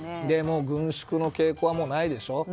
でも軍縮の傾向はもうないでしょ。